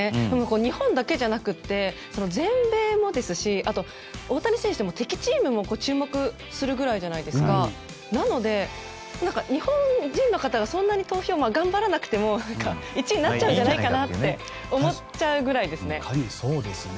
日本だけじゃなくて全米もですし、大谷選手は敵チームも注目するぐらいでなので、日本人の方がそんなに投票頑張らなくても１位になっちゃうんじゃないかなって思っちゃうくらいですね。